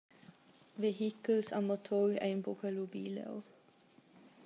Vehichels a motor ein buca lubi leu.